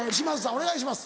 お願いします。